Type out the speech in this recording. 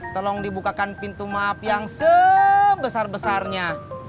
tolong dibukakan pintu maaf yang sebesar besarnya